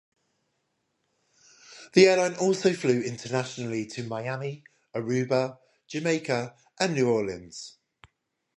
The airline also flew internationally to Miami, Aruba, Jamaica and New Orleans.